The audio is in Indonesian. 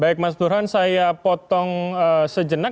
baik mas burhan saya potong sejenak